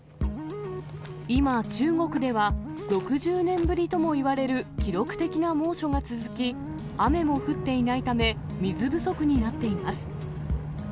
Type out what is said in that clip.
今、中国では６０年ぶりともいわれる記録的な猛暑が続き、雨も降っていないため、水不足になっています。